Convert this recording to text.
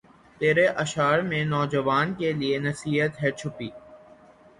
تیرے اشعار میں نوجواں کے لیے نصیحت ھے چھپی